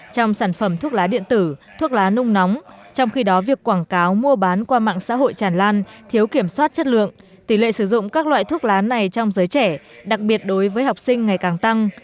trong sản phẩm thuốc lá điện tử thuốc lá nung nóng trong khi đó việc quảng cáo mua bán qua mạng xã hội tràn lan thiếu kiểm soát chất lượng tỷ lệ sử dụng các loại thuốc lá này trong giới trẻ đặc biệt đối với học sinh ngày càng tăng